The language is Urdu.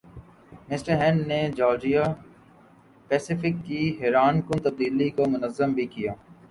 مِسٹر ہین نے جارجیا پیسیفک کی حیرانکن تبدیلی کو منظم بھِی کِیا